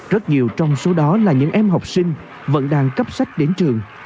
rất nhiều trong số đó là những em học sinh vẫn đang cấp sách đến trường